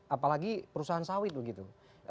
apalagi perusahaan sawit begitu